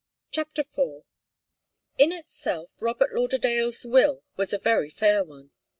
CHAPTER IV. In itself, Robert Lauderdale's will was a very fair one.